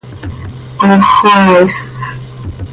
¡Ox xoaa is!